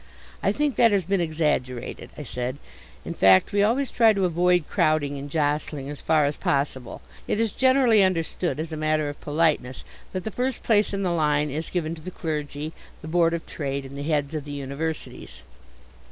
"I think that has been exaggerated," I said. "In fact, we always try to avoid crowding and jostling as far as possible. It is generally understood, as a matter of politeness, that the first place in the line is given to the clergy, the Board of Trade, and the heads of the universities."